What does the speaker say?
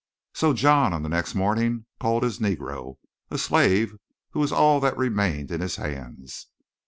"So John on the next morning called to his Negro, a slave who was all that remained in his hands.